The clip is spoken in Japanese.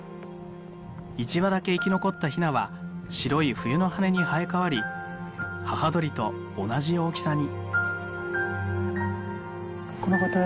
１羽だけ生き残ったひなは白い冬の羽に生え替わり母鳥と同じ大きさに。